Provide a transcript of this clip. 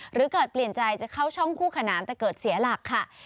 หรือเกิดเปลี่ยนใจจะเข้าช่องคู่ขนานแต่เกิดเสียหลักค่ะ